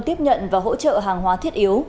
tiếp nhận và hỗ trợ hàng hóa thiết yếu